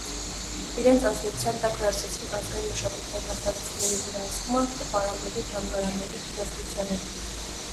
Իրենց ազդեցության տակ վերցրեցին ազգային մշակութային հաստատությունների վերահսկումը՝ տպարանների, թանգարանների, կինոստուդիաների։